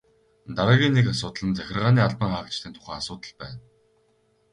Дараагийн нэг асуудал нь захиргааны албан хаагчдын тухай асуудал байна.